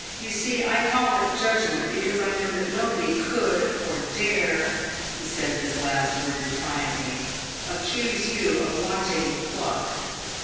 You see I call it judgment because I know that nobody could, or dare" — he said this last word defiantly —" accuse you of wanting pluck.